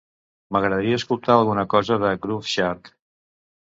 M'agradaria escoltar alguna cosa de Groove Shark